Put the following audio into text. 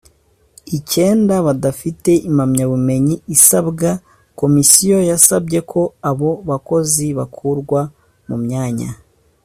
icyenda badafite impamyabumenyi isabwa komisiyo yasabye ko abo bakozi bakurwa mu myanya